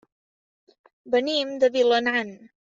Venim de Vilanant.